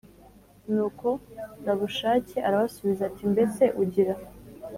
Nuko rabushake arabasubiza ati mbese ugira